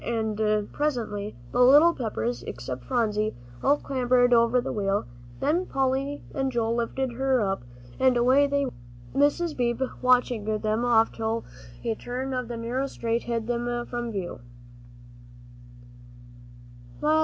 And presently the little Peppers, except Phronsie, all clambered over the wheel; then Polly and Joel lifted her up, and away they went, Mrs. Beebe watching them off till a turn of the narrow street hid them from view.